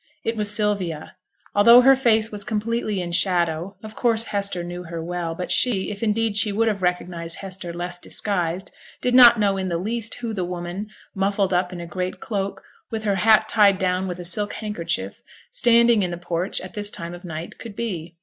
It was Sylvia. Although her face was completely in shadow, of course Hester knew her well; but she, if indeed she would have recognized Hester less disguised, did not know in the least who the woman, muffled up in a great cloak, with her hat tied down with a silk handkerchief, standing in the porch at this time of night, could be.